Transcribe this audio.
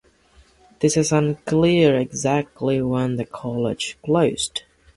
It is unclear exactly when the college closed.